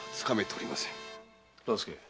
忠相。